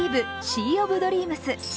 シー・オブ・ドリームス」。